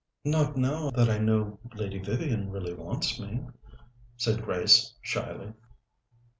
"Not now that I know Lady Vivian really wants me," said Grace shyly.